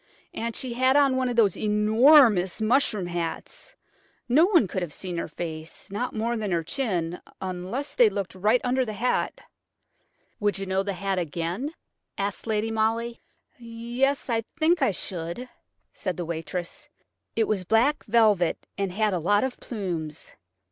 And she had on one of those enormous mushroom hats; no one could have seen her face–not more than her chin–unless they looked right under the hat." "Would you know the hat again?" asked Lady Molly. "Yes–I think I should," said the waitress. "It was black velvet and had a lot of plumes.